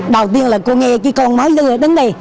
đầu tiên là cô nghe cái con nói lừa đứng đây